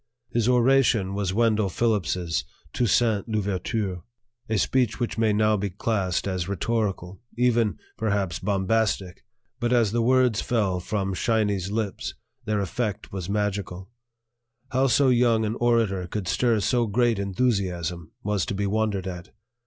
His oration was Wendell Phillips's "Toussaint L'Ouverture," a speech which may now be classed as rhetorical even, perhaps, bombastic; but as the words fell from "Shiny's" lips their effect was magical. How so young an orator could stir so great enthusiasm was to be wondered at.